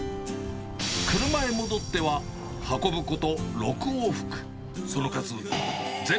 車へ戻っては、運ぶこと６往復。